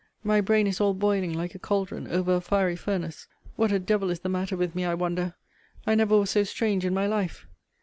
My brain is all boiling like a cauldron over a fiery furnace. What a devil is the matter with me, I wonder! I never was so strange in my life.